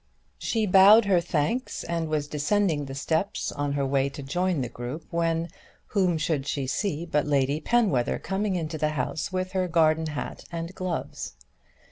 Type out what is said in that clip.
She bowed her thanks and was descending the steps on her way to join the group, when whom should she see but Lady Penwether coming into the house with her garden hat and gloves.